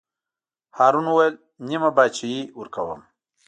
هارون وویل: نیمه بادشاهي ورکووم.